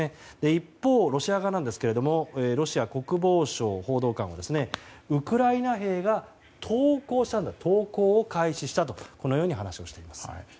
一方、ロシア側なんですがロシア国防省の報道官はウクライナ兵が投降を開始したとこのように話しています。